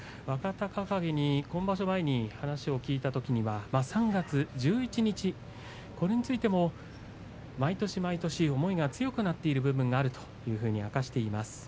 若隆景に今場所前、話を聞いたときに３月１１日、これについても毎年毎年、思いが強くなっている部分があるというふうに明かしています。